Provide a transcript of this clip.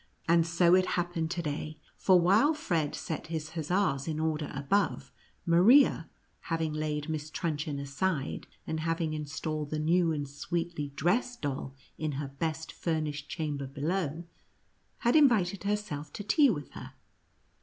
And so it happened to day, for while Fred set his hussars in order above, Maria, having laid Miss Trutchen aside, and having installed the new and sweetly dressed doll in her best furnished chamber below, had invited herself to tea with her.